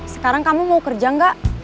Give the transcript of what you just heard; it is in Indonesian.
sekarang kamu mau kerja enggak